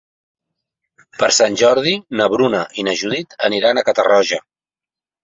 Per Sant Jordi na Bruna i na Judit aniran a Catarroja.